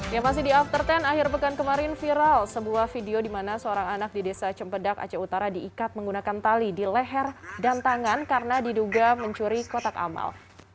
yang masih di after sepuluh akhir pekan kemarin viral sebuah video di mana seorang anak di desa cempedak aceh utara diikat menggunakan tali di leher dan tangan karena diduga mencuri kotak amal